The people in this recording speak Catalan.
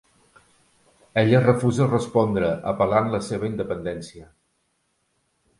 Ella refusa respondre, apel·lant la seva independència.